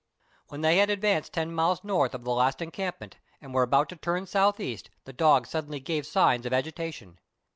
When they had advanced ten miles north of the last en campment, and were about to turn south east, the dog suddenly gave signs of agitation.